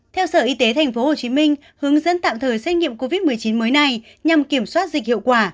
theo sở y tế tp hcm hướng dẫn tạm thời xét nghiệm covid một mươi chín mới này nhằm kiểm soát dịch hiệu quả